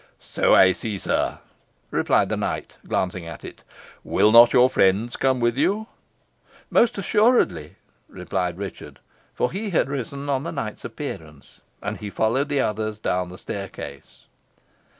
"So I see, sir," replied the knight, glancing at it. "Will not your friends come with you?" "Most assuredly," replied Richard, who had risen on the knight's appearance. And he followed the others down the staircase.